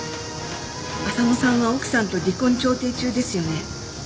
浅野さんは奥さんと離婚調停中ですよね？